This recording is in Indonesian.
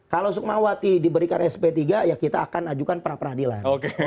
kalau sukmawati diberikan sp tiga ya kita akan ajukan pra peradilan